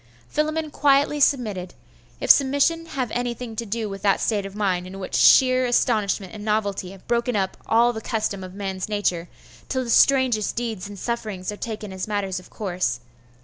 Philammon quietly submitted if submission have anything to do with that state of mind in which sheer astonishment and novelty have broken up all the custom of man's nature, till the strangest deeds and sufferings are taken as matters of course.